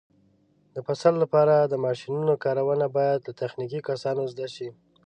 د فصل لپاره د ماشینونو کارونه باید له تخنیکي کسانو زده شي.